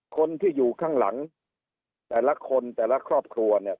คนที่อยู่ข้างหลังแต่ละคนแต่ละครอบครัวเนี่ย